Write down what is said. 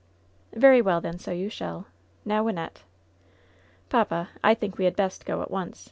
"Very well, then, so you shall. Now, Wynnette ?" "Papa, I think we had best go at once.